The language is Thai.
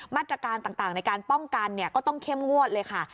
มาตรการต่างในการป้องกันก็ต้องเข้มงวดเลยค่ะ